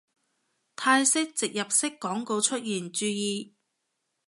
泰式植入式廣告出現注意